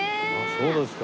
そうですか。